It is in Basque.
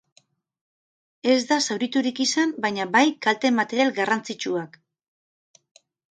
Ez da zauriturik izan baina bai kalte material garrantzitsuak.